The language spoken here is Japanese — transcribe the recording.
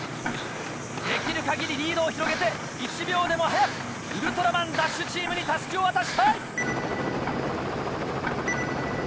できる限りリードを広げて１秒でも早くウルトラマンＤＡＳＨチームに襷を渡したい！